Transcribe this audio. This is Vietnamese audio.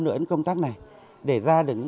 đến công tác này để ra được